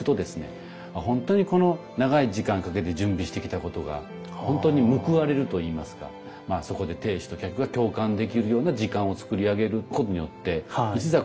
本当にこの長い時間をかけて準備してきたことが本当に報われるといいますかそこで亭主と客が共感できるような時間を作り上げることによって一座建立が図れると思うんですよね。